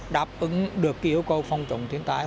đáp ứng được cái yêu cầu phòng chủng tiến tài